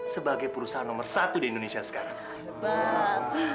sebagai perusahaan nomor satu di indonesia sekarang